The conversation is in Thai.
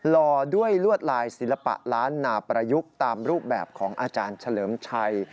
รอด้วยลวดลายศิลปะล้านนาประยุกต์ตามรูปแบบของอาจารย์เฉลิมชัย